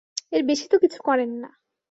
এর বেশি তো কিছু করেন না!